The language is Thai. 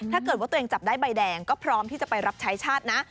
ถ้าเกิดว่าตัวเองจับได้ใบแดงก็พร้อมที่จะไปรับใช้ชาตินะ